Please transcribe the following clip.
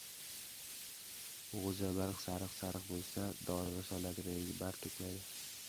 G‘o‘zabarg sariq-sariq bo‘lsa, dori risoladagiday barg to‘kmaydi.